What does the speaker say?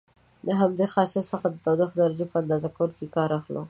د همدې خاصیت څخه د تودوخې درجې په اندازه کولو کې کار اخلو.